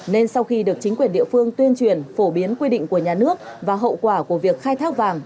nên sau khi được chính quyền địa phương tuyên truyền phổ biến quy định của nhà nước và hậu quả của việc khai thác vàng